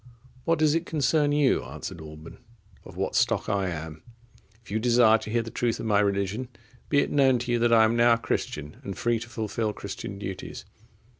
—"What does it concern you," answered Alban, "of what stock I am? If you desire to hear the truth of my religion, be it known to you, that I am now a Christian, and free to fulfil Christian duties."